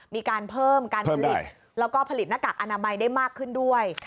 มีการเพิ่มการผลิตแล้วก็ผลิตหน้ากากอนามัยได้มากขึ้นด้วย